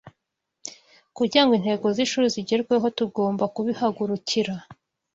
kugirango intego zishuri zigerweho tugombakubihagurukira